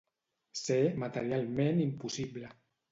Ser materialment impossible.